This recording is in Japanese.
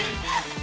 はい。